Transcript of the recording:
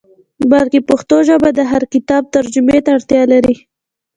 بلکې پښتو ژبه د هر کتاب ترجمې ته اړتیا لري.